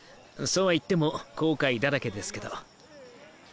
そうは言っても後悔だらけですけど。